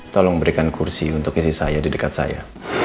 tolong berikan kursi untuk istri saya di dekat saya